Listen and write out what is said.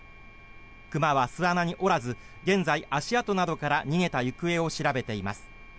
熊は巣穴におらず現在、足跡などから逃げた行方を調べています。